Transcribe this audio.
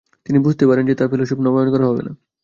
তিনি বুঝতে পারেন যে তার ফেলোশিপ নবায়ন করা হবে না।